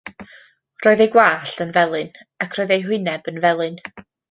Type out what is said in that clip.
Roedd ei gwallt yn felyn, ac roedd ei hwyneb yn felyn.